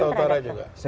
sudah ada juga